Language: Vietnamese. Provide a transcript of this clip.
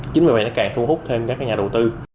chính vì vậy nó càng thu hút thêm các nhà đầu tư